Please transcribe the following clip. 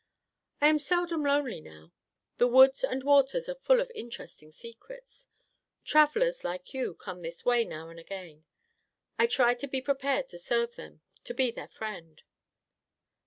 "I am seldom lonely now. The woods and waters are full of interesting secrets. Travellers, like you, come this way now and again. I try to be prepared to serve them; to be their friend."